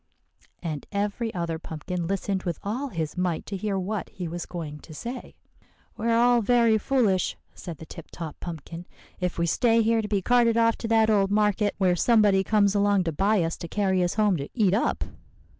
_' and every other pumpkin listened with all his might to hear what he was going to say. "'We are all very foolish,' said the Tip Top Pumpkin, 'if we stay here to be carted off to that old market, where somebody comes along to buy us to carry us home to eat up.